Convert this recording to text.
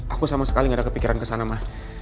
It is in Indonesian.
aku sama sekali gak ada kepikiran ke sana ma